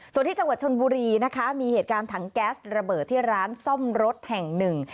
ส่วนที่จังหวัดชนบุรีนะคะมีเหตุการณ์ถังแก๊สระเบิดที่ร้านซ่อมรถแห่งหนึ่ง